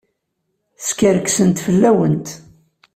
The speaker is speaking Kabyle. Skerksent fell-awent.